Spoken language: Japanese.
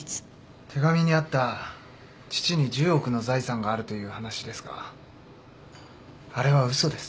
手紙にあった父に１０億の財産があるという話ですがあれは嘘です。